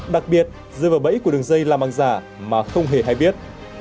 đặc biệt rơi vào bẫy của đường dây làm hàng giả mà không hề hay biết